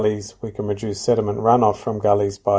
kita bisa mengurangi kemampuan terubu karang dari kudang